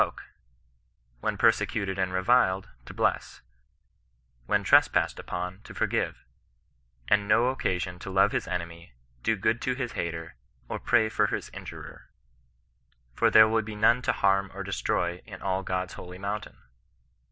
137 tioak; when persecuted and reviled, to bless; when trespassed upon, to forgive ; and no occasion to love his enemy, do good to his hater, or pray for his injurer : For there will be none to harm or destroy in all Qod's holy mountain.